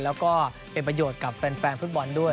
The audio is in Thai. แล้วก็เป็นประโยชน์กับแฟนฟุตบอลด้วย